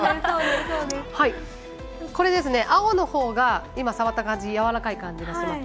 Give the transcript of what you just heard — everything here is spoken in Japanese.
青のほうが今、触った感じやわらかい感じがします。